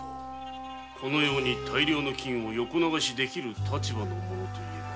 このように大量の金を横流しできる立場の者は？